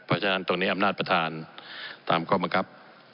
เพราะฉะนั้นตรงนี้อำนาจประธานตามข้อบังคับ